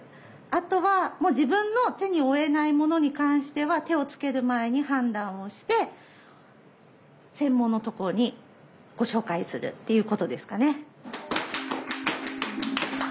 あとはもう自分の手に負えないものに関しては手をつける前に判断をして専門のところにご紹介するっていうことですかね。